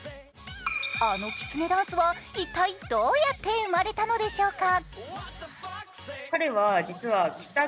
あのきつねダンスは一体どうやって生まれたのでしょうか？